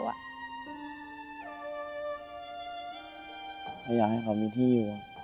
อยากให้เขามีที่อยู่